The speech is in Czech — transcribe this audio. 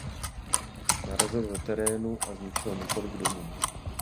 Narazilo do terénu a zničilo několik domů.